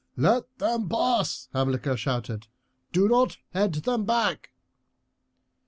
"Let them pass," Hamilcar shouted; "do not head them back."